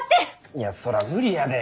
いやそら無理やで。